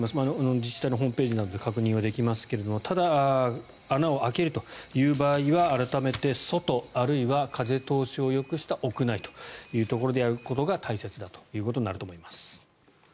自治体のホームページなどで確認ができますがただ、穴を開けるという場合は改めて、外あるいは風通しをよくした屋内というところでやることが大切だということになると思います。